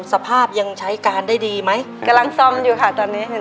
ในแคมเปญพิเศษเกมต่อชีวิตโรงเรียนของหนู